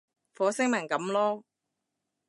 火星文噉囉